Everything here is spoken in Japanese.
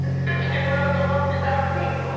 「着てこようと思ってたのに」。